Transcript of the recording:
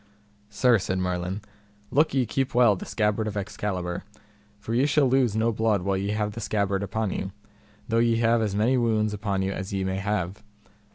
Sir, said Merlin, look ye keep well the scabbard of Excalibur, for ye shall lose no blood while ye have the scabbard upon you, though ye have as many wounds upon you as ye may have.